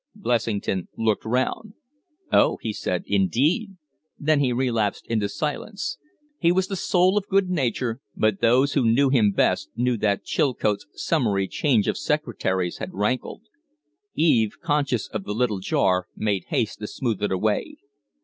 Blessington looked round. "Oh!" he said. "Indeed!" Then he relapsed into silence. He was the soul of good nature, but those who knew him best knew that Chilcote's summary change of secretaries had rankled. Eve, conscious of the little jar, made haste to smooth it away.